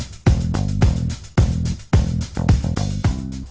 สวัสดีครับ